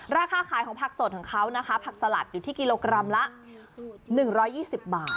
ราคาขายของผักสดของเขานะคะผักสลัดอยู่ที่กิโลกรัมละ๑๒๐บาท